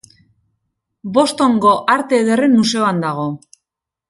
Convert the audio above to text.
Bostongo Arte Ederren Museoan dago.